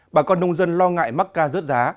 bà con nông dân lo ngại mắc ca rớt giá